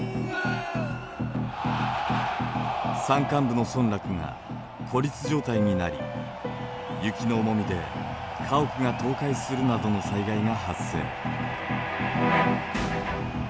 山間部の村落が孤立状態になり雪の重みで家屋が倒壊するなどの災害が発生。